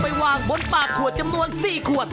วางบนปากขวดจำนวน๔ขวด